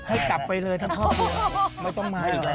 ให้กลับไปเลยทั้งครอบครัวไม่ต้องมาอีกแล้ว